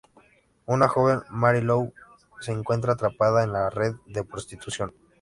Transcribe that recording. Una joven, Mary Lou, se encuentra atrapada en la red de prostitución.